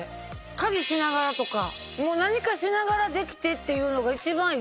家事しながらとか何かしながらできてっていうのが一番いい。